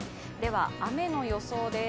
雨の予想です。